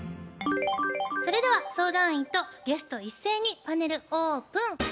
それでは相談員とゲスト一斉にパネルオープン。